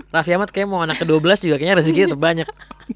raffi ahmad kayaknya mau anak ke dua belas juga kayaknya rezeki terbanyak